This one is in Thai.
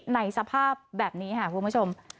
ในสภาพแบบนี้ค่ะคุณผู้ชม